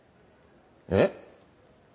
えっ？